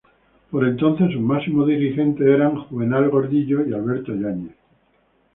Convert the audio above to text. Por entonces, sus máximos dirigentes eran Juvenal Gordillo y Alberto Yáñez.